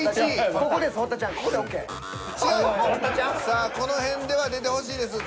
さあこの辺では出てほしいです。